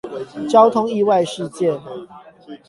交通意外事件